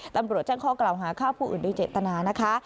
ตำรวจแจ้งข้อกล่าวหาฆ่าผู้อื่นโดยเจตนานะคะ